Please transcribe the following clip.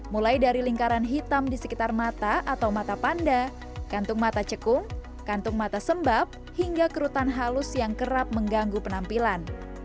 mulai dari lingkaran hitam di sekitar mata atau mata panda kantung mata cekung kantung mata sembab hingga kerutan halus yang kerap mengganggu penampilan